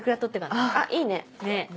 あっいいね。